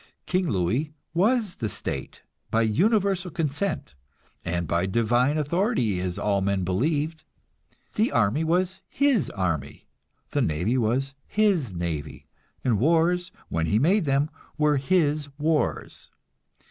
King Louis was the state by universal consent, and by divine authority, as all men believed. The army was his army, the navy was his navy, and wars, when he made them, were his wars.